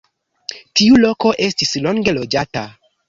Tiu loko estis longe loĝata.